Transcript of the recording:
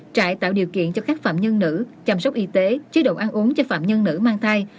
trại tạo điều kiện cho các phạm nhân nữ chăm sóc y tế chế độ ăn uống cho phạm nhân nữ mang thai